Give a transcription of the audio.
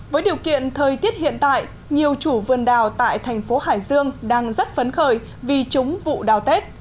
với điều kiện thời tiết hiện tại nhiều chủ vườn đào tại thành phố hải dương đang rất phấn khởi vì trúng vụ đào tết